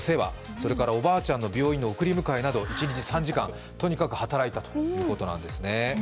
それから、おばあちゃんの病院の送り迎えなど一日３時間、とにかく働いたということなんですね。